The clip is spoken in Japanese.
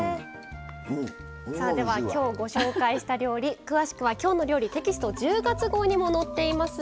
さあでは今日ご紹介した料理詳しくは「きょうの料理」テキスト１０月号にも載っています。